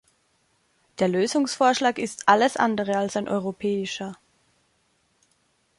Der Lösungsvorschlag ist alles andere als ein europäischer.